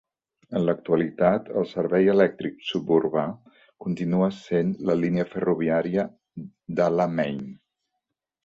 En l'actualitat, el servei elèctric suburbà continua sent la línia ferroviària d'Alamein.